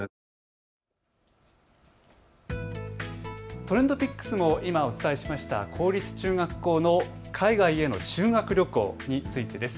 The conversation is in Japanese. ＴｒｅｎｄＰｉｃｋｓも今お伝えした公立中学校の海外への修学旅行についてです。